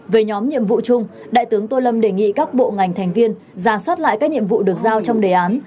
về nhóm nhiệm vụ chung đại tướng tô lâm đề nghị các bộ ngành thành viên ra soát lại các nhiệm vụ được giao trong đề án